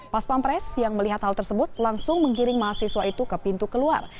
pas pampres yang melihat hal tersebut langsung menggiring mahasiswa itu ke pintu keluar